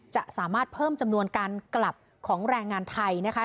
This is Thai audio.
จะสามารถเพิ่มจำนวนการกลับของแรงงานไทยนะคะ